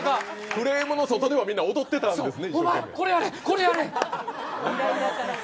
フレームの外ではみんな一生懸命踊ってたんですね。